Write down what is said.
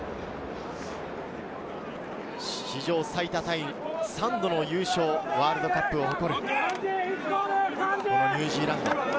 史上最多タイ、３度の優勝、ワールドカップを誇るニュージーランド。